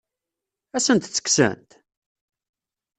Ad asent-tt-kksent?